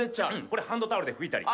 これハンドタオルで拭いたり。